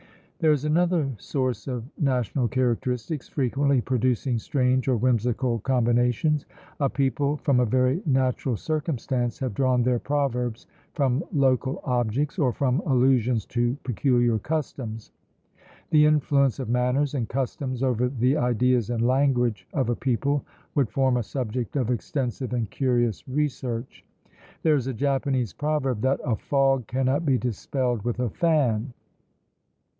There is another source of national characteristics, frequently producing strange or whimsical combinations; a people, from a very natural circumstance, have drawn their proverbs from local objects, or from allusions to peculiar customs. The influence of manners and customs over the ideas and language of a people would form a subject of extensive and curious research. There is a Japanese proverb, that "A fog cannot be dispelled with a fan!"